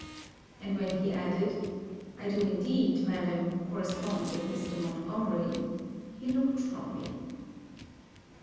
And when he added, 'I do indeed, madam, correspond with Mr. Montgomery,' he looked from me.